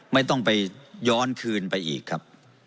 ไม่ต้องไปย้อนคืนไปอีกครับ